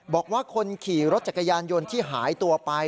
บอกว่าคนขี่รถจักรยานยนต์ที่หายตัวไป